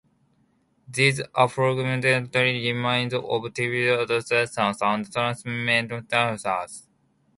These are fragmentary remains of tibiotarsus and tarsometatarsus.